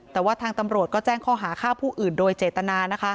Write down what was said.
แต่ว่าทางตำรวจก็แจ้งข้อหาฆ่าผู้อื่นโดยเจตนา